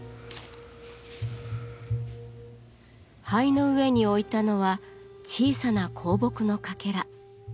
灰の上に置いたのは小さな香木のかけら。